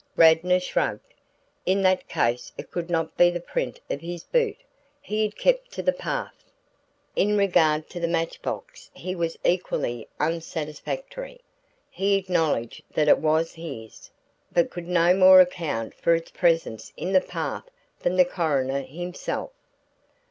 Radnor shrugged. In that case it could not be the print of his boot. He had kept to the path. In regard to the match box he was equally unsatisfactory. He acknowledged that it was his, but could no more account for its presence in the path than the coroner himself.